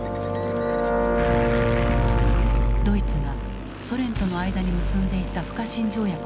ドイツがソ連との間に結んでいた不可侵条約を破り